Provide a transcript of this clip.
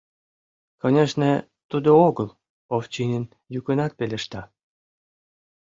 «Конешне, тудо огыл, — Овчинин йӱкынак пелешта.